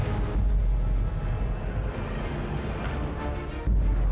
sini juga kian santang nek